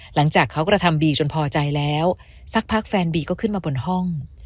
หลังจากเขากระทำบีจนพอใจแล้วสักพักแฟนบีก็ขึ้นมาบนห้อง